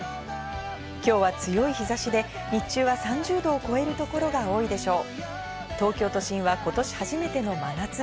きょうは強い日差しで、日中は３０度を超えるところが多いでしょう。